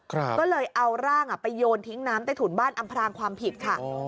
ก็เลยเอาร่างไปโยนทิ้งน้ำใต้ถุนบ้านอำพรางความผิดค่ะ